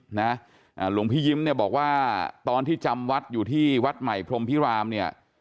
หลวงพี่ยิ้มเนี่ยบอกว่าตอนที่จำวัดอยู่ที่วัดใหม่พรมพิรามเนี่ย